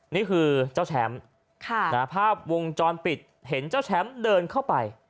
นี่คือเจ้าแชมป์ภาพวงจรปิดเห็นเจ้าแชมป์เดินเข้าไป